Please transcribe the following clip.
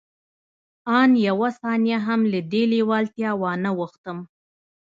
آن يوه ثانيه هم له دې لېوالتیا وانه وښتم.